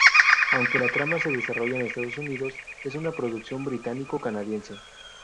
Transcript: Aunque la trama se desarrolla en Estados Unidos, es una producción británico-canadiense.